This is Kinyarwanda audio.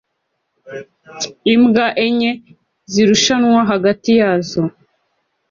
Imbwa enye zirushanwa hagati yazo